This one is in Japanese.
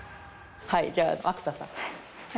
はいじゃあ涌田さん。